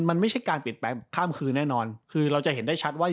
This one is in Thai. มันไม่ใช่การเปลี่ยนแปลงข้ามคืนแน่นอนคือเราจะเห็นได้ชัดว่า